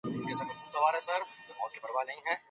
د ښوونځیو جوړول د ټولني رفاه زیاتوي.